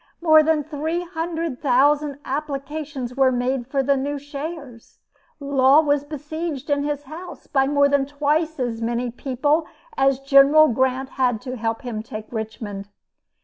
More than three hundred thousand applications were made for the new shares. Law was besieged in his house by more than twice as many people as General Grant had to help him take Richmond.